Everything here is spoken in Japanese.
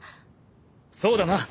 そうだな。